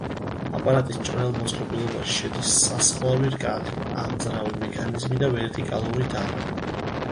აპარატის მჭრელ მოწყობილობაში შედის სასხლავი რკალი, ამძრავი მექანიზმი და ვერტიკალური დანა.